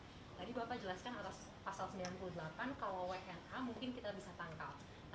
tadi bapak jelaskan atas pasal sembilan puluh delapan kalau wna mungkin kita bisa tangkal